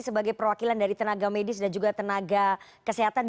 sebagai perwakilan dari tenaga medis dan juga tenaga kesehatan